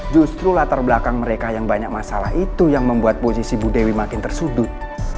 justru latar belakang mereka yang banyak masalah itu yang membuat posisi bu dewi makin tersudut